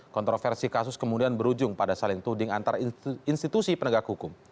kontroversi kasus kemudian berujung pada saling tuding antar institusi penegak hukum